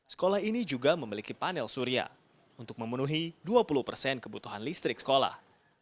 sekolah ini juga memiliki panel surya untuk memenuhi dua puluh persen kebutuhan listrik sekolah